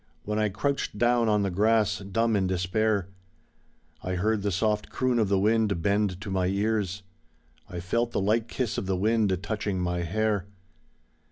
When I crouched down on the grass, dumb in despair, I heard the soft croon of the wind bend to mj ears, I felt the light kiss of the wind touching mj hair.